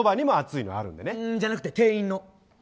じゃなくて、店員の。